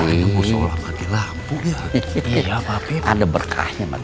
itu dia pindah nek